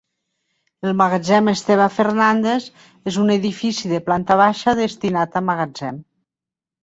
El Magatzem Esteve Fernández és un edifici de planta baixa destinat a magatzem.